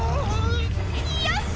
よし！